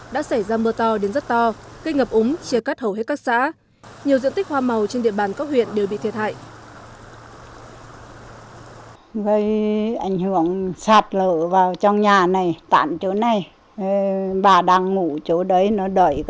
đã xảy ra mưa to đến rất to gây ngập úng chia cắt hầu hết các xã nhiều diện tích hoa màu trên địa bàn các huyện đều bị thiệt hại